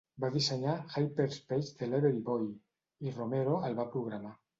Va dissenyar "Hyperspace Delivery Boy!", i Romero el va programar.